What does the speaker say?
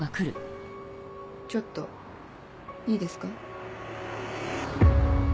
ちょっといいですか？